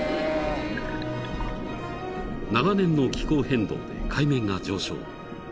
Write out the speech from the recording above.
［長年の気候変動で海面が上昇］